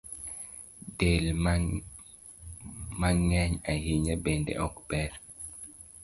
Del mang’eny ahinya bende ok ber